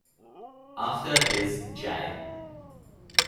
After his J.